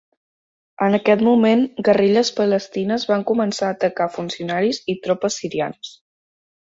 En aquest moment guerrilles palestines van començar a atacar funcionaris i tropes sirianes.